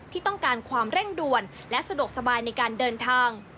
ที่ต้องการความเร่งด่วนและสะดวกสบายในการเดินทาง